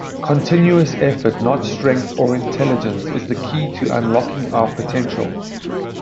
Continuous effort – not strength or intelligence – is the key to unlocking our potential.